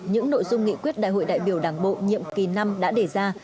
những nội dung nghị quyết đại hội đại biểu đảng bộ nhiệm kỳ năm đã đề ra